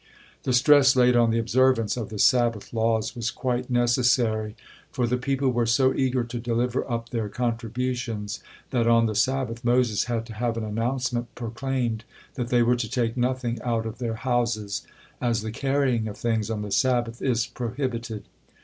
The stress laid on the observance of the Sabbath laws was quite necessary, for the people were so eager to deliver up their contributions, that on the Sabbath Moses had to have an announcement proclaimed that they were to take nothing out of their houses, as the carrying of things on the Sabbath is prohibited.